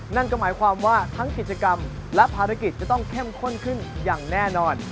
นั่นก็หมายความว่าทั้งกิจกรรมและภารกิจจะต้องเข้มข้นขึ้นอย่างแน่นอน